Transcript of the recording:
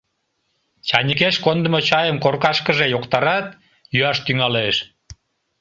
Чайникеш кондымо чайым коркашкыже йоктарат, йӱаш тӱҥалеш.